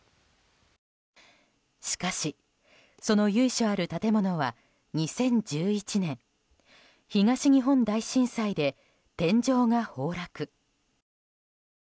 しかし、その由緒ある建物は２０１１年、東日本大震災で天井が崩落。